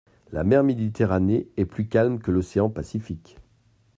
La mer Méditerranée est plus calme que l’océan Pacifique.